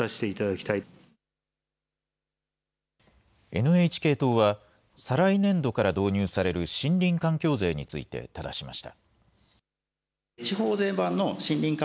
ＮＨＫ党は、再来年度から導入される森林環境税についてただしました。